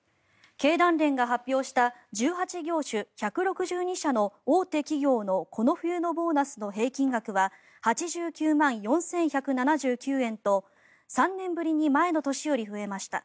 経団連が発表した１８業種１６２社の大手企業のこの冬のボーナスの平均額は８９万４１７９円と３年ぶりに前の年より増えました。